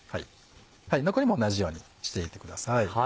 残りも同じようにしていってください。